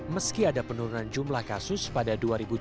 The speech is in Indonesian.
meski ada penurunan jumlah kasus pada dua ribu dua puluh